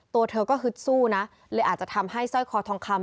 ตัวเธอก็ฮึดสู้นะเลยอาจจะทำให้สร้อยคอทองคำ